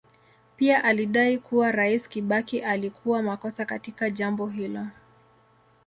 Pia alidai kuwa Rais Kibaki alikuwa makosa katika jambo hilo.